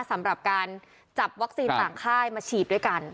สำหรับการจับวัคซีนต่างค่ายมาฉีดด้วยกัน